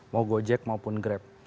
mau gojek maupun grab